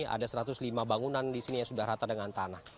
ada satu ratus lima bangunan di sini yang sudah rata dengan tanah